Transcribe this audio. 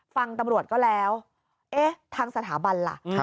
ฟังตำรวจก็แล้วเอ๊ะทางสถาบันล่ะ